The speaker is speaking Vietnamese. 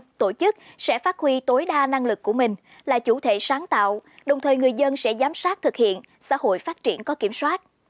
bản thân người dân tổ chức sẽ phát huy tối đa năng lực của mình là chủ thể sáng tạo đồng thời người dân sẽ giám sát thực hiện xã hội phát triển có kiểm soát